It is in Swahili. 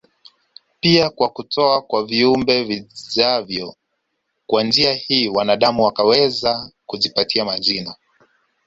pia kwa kutoa kwa viumbe vijavyo Kwa njia hii wanaadamu wakaweza kujipatia majina